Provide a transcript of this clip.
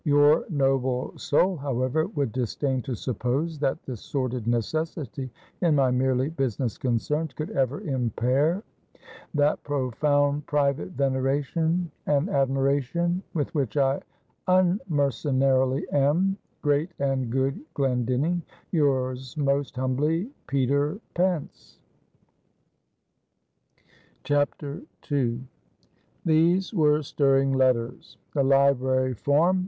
Your noble soul, however, would disdain to suppose, that this sordid necessity, in my merely business concerns, could ever impair "That profound private veneration and admiration With which I unmercenarily am, Great and good Glendinning, Yours most humbly, PETER PENCE." II. These were stirring letters. The Library Form!